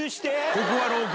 ここが廊下？